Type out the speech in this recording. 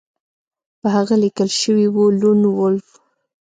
په هغه لیکل شوي وو لون وولف